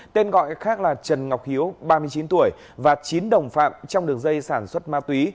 tên gọi khác là trần ngọc hiếu ba mươi chín tuổi và chín đồng phạm trong đường dây sản xuất ma túy